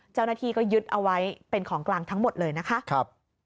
เจ้าหน้าที่ก็ยึดเอาไว้เป็นของกลางทั้งหมดเลยนะคะ